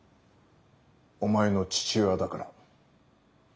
お前の父親だから。